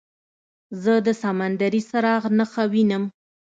زه د سمندري څراغ نښه وینم.